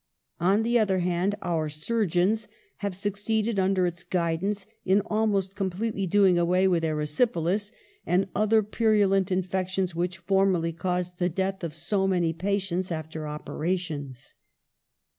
On the other hand, our surgeons have, succeeded under its guidance in almost completely doing away with erysipelas and other purulent infections which formerly caused the death of so many patients after operations.